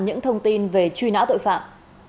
những thông tin về truy não tội phạm